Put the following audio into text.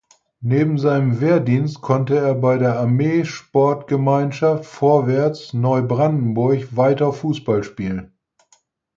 Neben seinem Wehrdienst konnte er bei der Armeesportgemeinschaft Vorwärts Neubrandenburg weiter Fußball spielen.